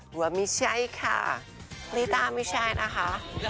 ว่าไม่ใช่ค่ะลิต้าไม่ใช่นะคะ